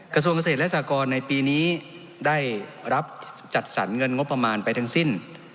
กระทรวงเกษตรและสากรในปีนี้ได้รับจัดสรรเงินงบประมาณไปทั้งสิ้น